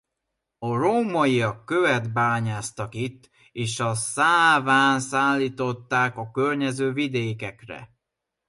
A rómaiak követ bányásztak itt és a Száván szállították a környező vidékekre.